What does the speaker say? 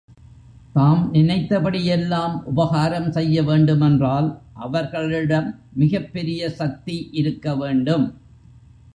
தாம் நினைத்தபடி எல்லாம் உபகாரம் செய்ய வேண்டுமென்றால் அவர்களிடம் மிகப் பெரிய சக்தி இருக்க வேண்டும்.